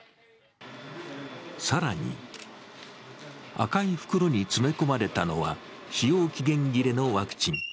更に、赤い袋に詰め込まれたのは、使用期限切れのワクチン。